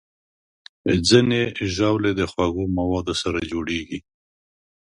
ځینې ژاولې د خوږو موادو سره جوړېږي.